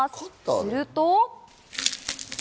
すると。